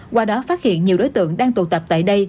qua đó phát hiện nhiều đối tượng đang tụ tập tại đây